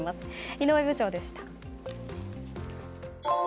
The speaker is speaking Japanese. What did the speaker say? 井上部長でした。